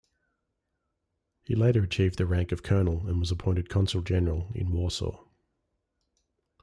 He later achieved the rank of colonel and was appointed Consul-General in Warsaw.